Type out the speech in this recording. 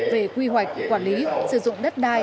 về quy hoạch quản lý sử dụng đất đai